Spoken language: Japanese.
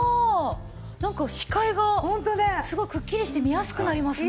なんか視界がすごいくっきりして見やすくなりますね。